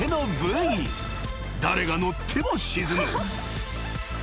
［誰が乗っても沈む］